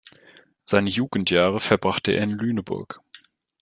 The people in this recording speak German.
Seine Jugendjahre verbrachte er in Lüneburg.